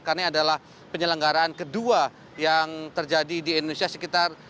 karena adalah penyelenggaraan kedua yang terjadi di indonesia sekitar